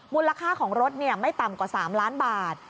มูลค่าของรถไม่ต่ำกว่า๓ล้านบาท